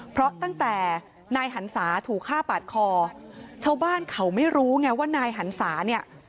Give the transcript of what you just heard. เพราะตั้งแต่นายหันศาถูกฆ่าปาดคอชาวบ้านเขาไม่รู้ไงว่านายหันศาเนี่ย